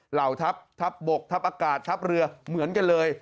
เหล่าทัพบกทัพอากาศทัพเรือเหมือนกันเลย